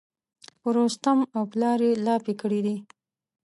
په رستم او پلار یې لاپې کړي دي.